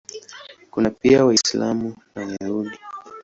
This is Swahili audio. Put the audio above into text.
Kuna pia Waislamu na Wayahudi.